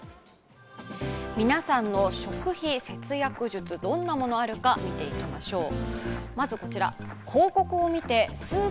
皆さんの食費節約術、どんなものがあるか、見ていきましょう。